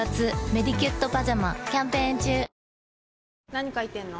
何書いてんの？